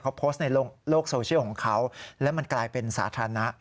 เขาโพสต์ในโลกโซเชียลของเขาและมันกลายเป็นสาธารณะ